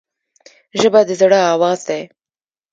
ژبه د زړه آواز دی